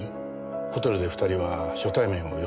ホテルで２人は初対面を装った。